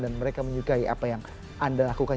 dan mereka menyukai apa yang anda lakukan